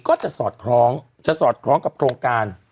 ก็จะสอดคล้องกับโครงการ